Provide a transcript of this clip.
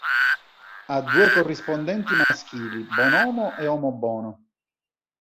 Ha due corrispondenti maschili, Bonomo e Omobono.